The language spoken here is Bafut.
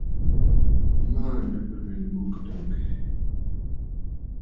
Màa bə nlwèn bǔ kɨ təŋ ɨkɛʼɛ?